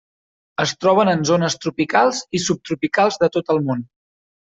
Es troben en zones tropicals i subtropicals de tot el món.